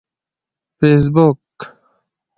فیسبوک